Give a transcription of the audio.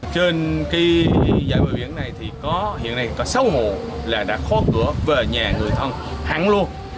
trên cái giải bờ biển này thì có hiện nay có sáu hộ là đã khóa cửa về nhà người thân hẳn luôn